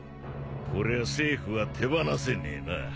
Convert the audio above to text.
こりゃあ政府は手放せねえな。